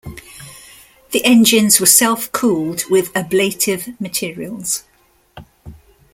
The engines were self-cooled with ablative materials.